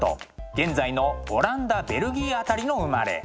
現在のオランダベルギー辺りの生まれ。